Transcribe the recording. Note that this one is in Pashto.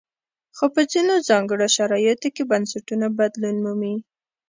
خو په ځینو ځانګړو شرایطو کې بنسټونه بدلون مومي.